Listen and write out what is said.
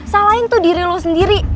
salahin tuh diri lo sendiri